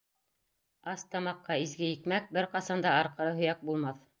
Ас тамаҡҡа изге икмәк бер ҡасан да арҡыры һөйәк булмаҫ.